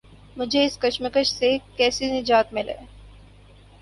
مجھے اس کشمکش سے کیسے نجات ملے؟